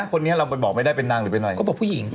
คนนี้เราบอกไม่ได้เป็นนางหรือเป็นอะไรเขาบอกผู้หญิง